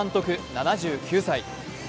７９歳。